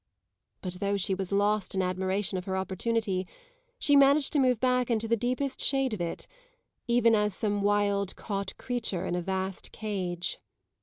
But though she was lost in admiration of her opportunity she managed to move back into the deepest shade of it, even as some wild, caught creature in a vast cage.